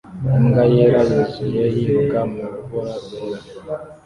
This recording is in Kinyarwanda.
Imbwa yera yuzuye yiruka mu rubura rwera